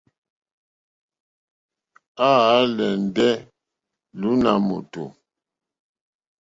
À álèndé lùùná mòtò.